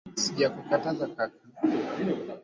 Sijakukataza kaka